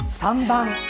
３番！